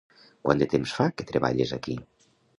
quant de temps fa que treballes aquí?